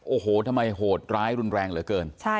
โอ้โหทำไมโหดร้ายรุนแรงเหลือเกิน